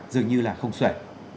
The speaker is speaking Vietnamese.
dường như là không sẻ